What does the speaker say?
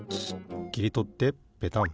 きりとってペタン。